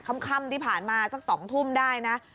ค่ำที่ผ่านมาสัก๒ทุ่มได้นะ